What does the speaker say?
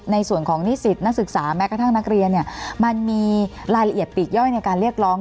ในส่วนของนิสิตนักศึกษาแม้กระทั่งนักเรียนมันมีรายละเอียดปีกย่อยในการเรียกร้อง